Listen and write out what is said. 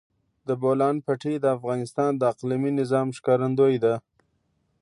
د بولان پټي د افغانستان د اقلیمي نظام ښکارندوی ده.